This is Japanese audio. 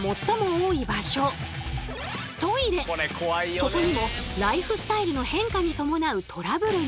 ここにもライフスタイルの変化に伴うトラブルが！